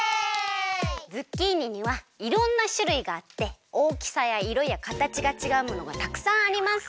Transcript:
ズッキーニにはいろんなしゅるいがあっておおきさやいろやかたちがちがうものがたくさんあります。